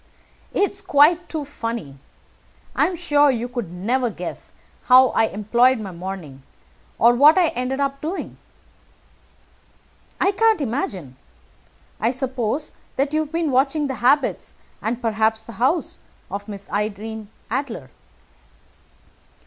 "It's quite too funny. I am sure you could never guess how I employed my morning, or what I ended by doing." "I can't imagine. I suppose that you have been watching the habits, and, perhaps, the house, of Miss Irene Adler."